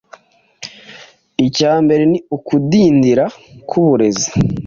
icya mbere ni ukudindira k'uburezi,